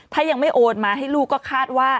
ถ้ายังไม่โอนมาให้ลูกก็คาดว่า